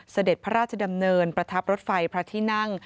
เสด็จพระราชดำเนินประทับรถไฟพระที่นั่ง